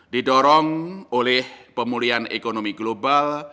didorong oleh pemulihan ekonomi global